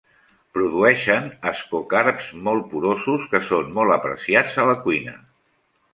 Produeixen ascocarps molt porosos, que són molt apreciats a la cuina.